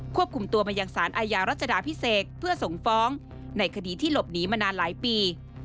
ควบคุมตัวมายังสารอาญารัชดาพิเศษเพื่อส่งฟ้องในคดีที่หลบหนีมานานหลายปี